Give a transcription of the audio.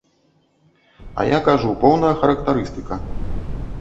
А я кажу, поўная характарыстыка.